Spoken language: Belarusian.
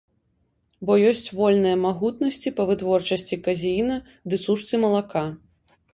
Бо ёсць вольныя магутнасці па вытворчасці казеіна ды сушцы малака.